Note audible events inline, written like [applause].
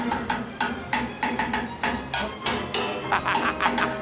ハハハ [laughs]